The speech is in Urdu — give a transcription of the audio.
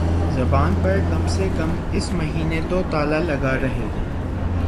زبان پر کم سے کم اس مہینے میں تو تالا لگا رہے